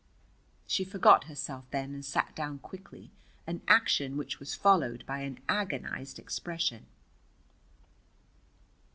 She forgot herself then and sat down quickly, an action which was followed by an agonized expression.